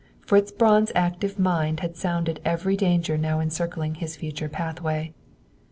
Fritz Braun's active mind had sounded every danger now encircling his future pathway.